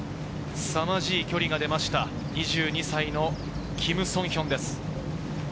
すさまじい距離が出ました、２２歳のキム・ソンヒョンです。